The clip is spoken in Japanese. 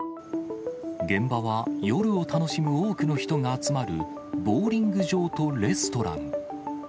現場は夜を楽しむ多くの人が集まるボウリング場とレストラン。